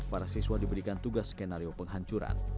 para siswa diberikan tugas skenario penghancuran